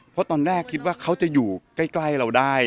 เพราะตอนแรกคิดว่าเขาจะอยู่ใกล้เราได้